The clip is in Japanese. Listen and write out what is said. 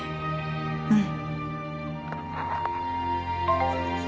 うん。